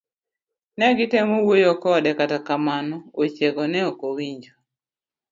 Negitemo wuoyo kode kata kamano wechego ne okowinjo.